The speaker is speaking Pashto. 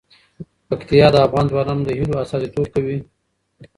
پکتیا د افغان ځوانانو د هیلو استازیتوب کوي.